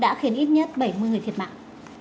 đã khiến ít nhất bảy mươi người thiệt mạng